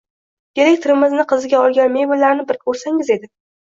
Direktorimizni qiziga olgan mebellarini bir koʻrsangiz edi